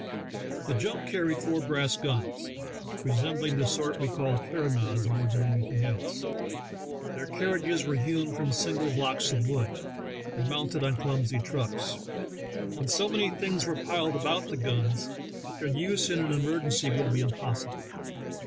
The junk carried four brass guns, resembling the sort we call carronades more than anything else; their carriages were hewn from single blocks of wood, and mounted on clumsy trucks, and so many things were piled about the guns that their use in an emergency would be impossible.